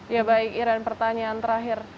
ya baik iran pertanyaan terakhir